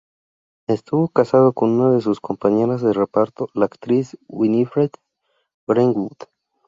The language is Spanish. Estuvo casado con una de sus compañeras de reparto: la actriz Winifred Greenwood.